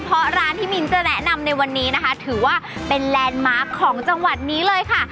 เพราะร้านที่มิ้นจะแนะนำในวันนี้นะคะถือว่าเป็นแลนด์มาร์คของจังหวัดนี้เลยค่ะ